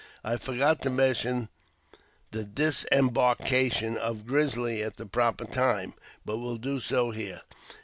I forgot to mention the disembarkation of Grizzly at the proper time, but will do so here.